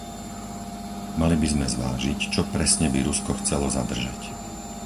Mali by sme zvážiť, čo presne by Rusko chcelo zadržať.